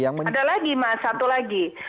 ada lagi mas satu lagi